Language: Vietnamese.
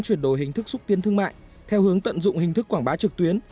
chuyển đổi hình thức xúc tiến thương mại theo hướng tận dụng hình thức quảng bá trực tuyến